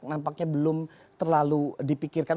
nampaknya belum terlalu dipikirkan